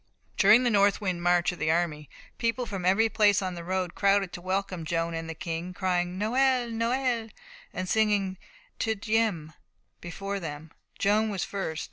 During the northward march of the army, people from every place on the road crowded to welcome Joan and the King, crying, Noël, Noël, and singing Te Deums before them. Joan was first.